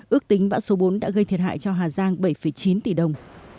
ước tính bão số bốn đã gây thiệt hại cho hà giang bảy chín tỷ đồng